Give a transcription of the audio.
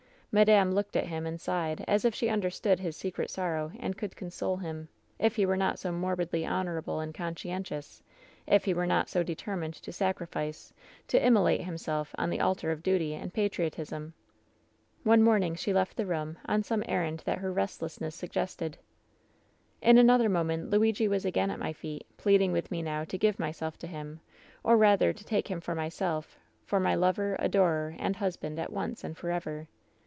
Madame looked at him and sifijhed as if she understood his secret sorrow and could console him, if he were not so morbidly honorable and conscientious, if he were not so determined to sacri fice, to immolate himself on the altar of duty and patriotism. ^'One morning she left the room on some errand that her restlessness suggested. "In another moment Luigi was again at my feet, pleading with me now to give myself to him, or rather to take him for myself, for my lover, adorer and husr band at once and forever.